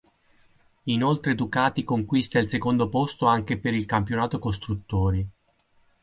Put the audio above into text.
Inoltre Ducati conquista il secondo posto anche per il campionato costruttori.